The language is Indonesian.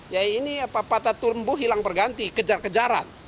ya ini apa patah tumbuh hilang berganti kejar kejaran